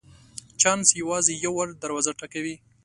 چانس یوازي یو وار دروازه ټکوي .